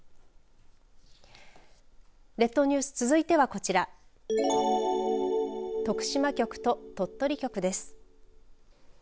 列島ニュース続いてはこちら徳島局と鳥取局です。